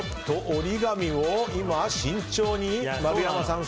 折り紙を慎重に。